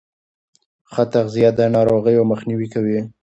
ښه تغذیه د ناروغیو مخنیوی کوي.